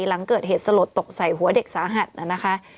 หลังเกิดเหตุสลดตกใส่หัวเด็กสาหัสนะคะ